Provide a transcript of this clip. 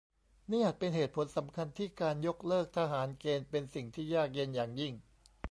นี่อาจเป็นเหตุผลสำคัญที่การยกเลิกทหารเกณฑ์เป็นสิ่งยากเย็นอย่างยิ่ง